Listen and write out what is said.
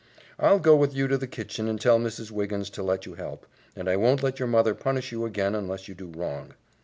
"I'll go with you to the kitchen and tell Mrs. Wiggins to let you help, and I won't let your mother punish you again unless you do wrong."